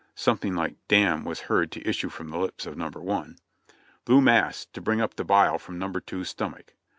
(Something like "dam" was heard to issue from the lips of number one.) "Blue mass to bring up the bile from number two's stomach."